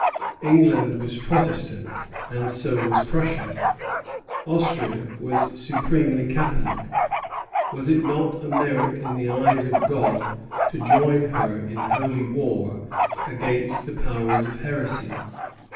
England was Protestant, and so was Prussia; Austria was supremely Catholic. Was it not a merit in the eyes of God to join her in holy war against the powers of heresy?